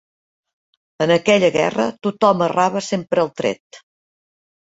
En aquella guerra, tothom errava sempre el tret